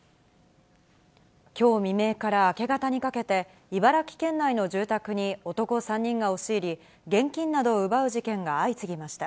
きょう未明から明け方にかけて、茨城県内の住宅に男３人が押し入り、現金などを奪う事件が相次ぎました。